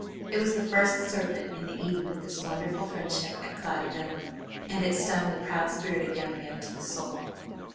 It was the first serpent in the Eden of this wonderful friendship at Cloudy Villa and it stung the proud spirited young man to the soul.